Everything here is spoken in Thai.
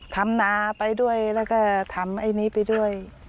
ทำนาไปด้วยแล้วก็ทำไอ้นี้ไปด้วย